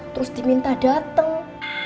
terus diminta dateng